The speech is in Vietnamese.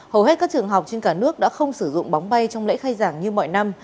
hầu hết các trường học trên cả nước đã không sử dụng bóng bay trong lễ khai giảng như mọi năm